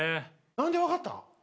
何で分かった？